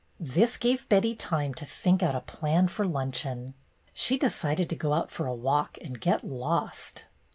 This gave Betty time to think out a plan for luncheon. She decided to go out for a walk and get lost.